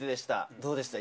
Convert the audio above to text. どうでした？